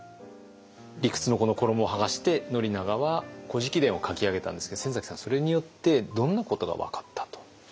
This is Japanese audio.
理屈のこの衣をはがして宣長は「古事記伝」を書き上げたんですけど先さんはそれによってどんなことが分かったと？